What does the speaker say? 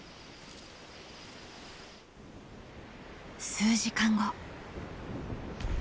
数時間後。